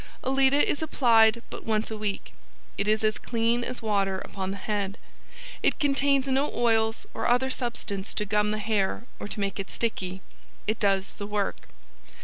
ALETA is applied but once a week. It is as clean as water upon the head; it contains no oils or other substance to gum the hair or to make it sticky. IT DOES THE WORK.